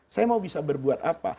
saya mau bisa berbuat apa